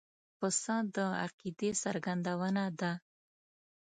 پسه د عقیدې څرګندونه ده.